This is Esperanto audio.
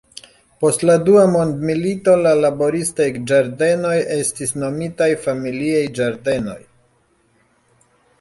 Post la dua mondmilito la laboristaj ĝardenoj estis nomitaj familiaj ĝardenoj.